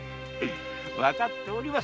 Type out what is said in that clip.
わかっております。